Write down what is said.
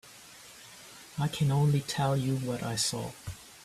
I can only tell you what I saw.